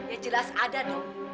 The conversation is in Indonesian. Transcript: ya jelas ada dong